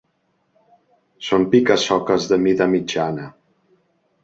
Són pica-soques de mida mitjana.